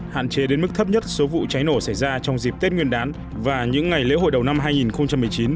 hạn chế đến mức thấp nhất số vụ cháy nổ xảy ra trong dịp tết nguyên đán và những ngày lễ hội đầu năm hai nghìn một mươi chín